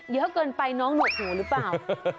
เยอะเกินไปน้องหนวกหูหรือเปล่า